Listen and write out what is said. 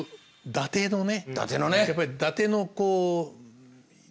伊達のね。